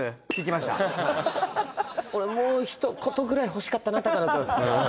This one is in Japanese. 俺もうひと言ぐらい欲しかったな高野君ああ